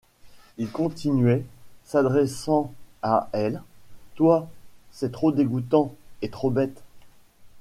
Il continuait, s’adressant à elle: — Toi, c’est trop dégoûtant et trop bête...